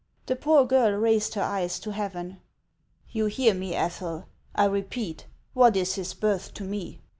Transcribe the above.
The poor girl raised her eyes to heaven. " You hear me, Ethel ! I repeat, what is his birth to me